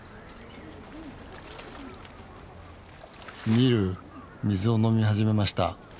ニル水を飲み始めました。